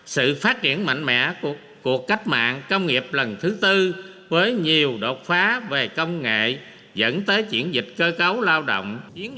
sự phát triển mạnh mẽ của cuộc cách mạng công nghiệp lần thứ tư với nhiều đột phá về công nghệ dẫn tới chuyển dịch cơ cấu lao động